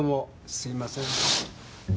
すいません。